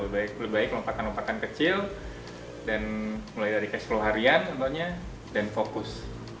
lebih baik lompatan lompatan kecil dan mulai dari ke seloharian contohnya dan fokus